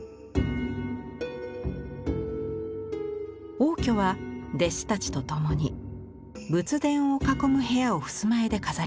応挙は弟子たちと共に仏殿を囲む部屋を襖絵で飾りました。